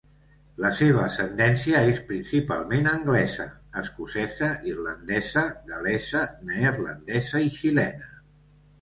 La seva ascendència és principalment anglesa, escocesa, irlandesa, gal·lesa, neerlandesa i xilena.